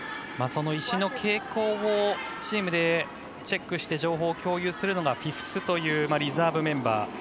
その石の傾向をチームでチェックして情報を共有するのがフィフスというリザーブメンバー